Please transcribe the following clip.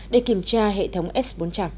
để kiểm tra hệ thống s một mươi sáu